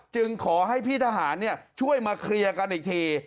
จึงขอให้พี่ทหารช่วยมาเคลียร์กันอีกที